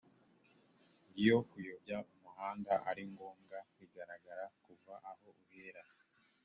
iyo kuyobya umuhanda ari ngombwa bigaragaraa kuva aho uhera.